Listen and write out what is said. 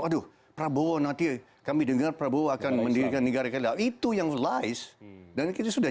aduh prabowo nanti kami dengar prabowo akan mendirikan negara kita itu yang lice dan kita sudah